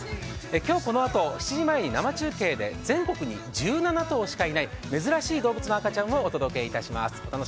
今日、このあと７時前に生中継で全国に１７頭しかいない、珍しい動物の赤ちゃんをお届けします。